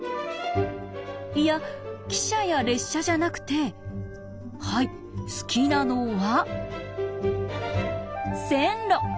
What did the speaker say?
いや汽車や列車じゃなくてはい好きなのは線路。